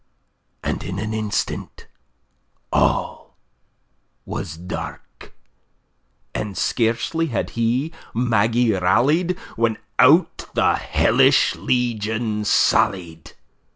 And in an instant all was dark; And scarcely had he Maggie rallied, When out the hellish legion sallied.